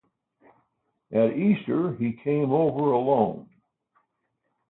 At Easter he came over alone.